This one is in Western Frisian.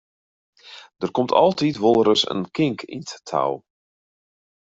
Der komt altyd wolris in kink yn 't tou.